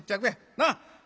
なあ？